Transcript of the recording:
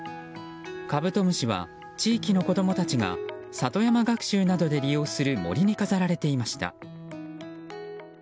カブトムシは、地域の子供たちが里山学習などで利用する森に飾られていました。